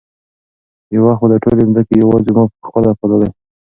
یو وخت به دا ټولې مځکې یوازې ما په خپله پاللې.